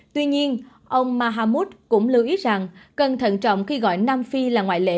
tuy nhiên ông mahammud cũng lưu ý rằng cần thận trọng khi gọi nam phi là ngoại lệ